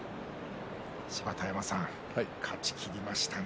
芝田山さん勝ちきりましたね。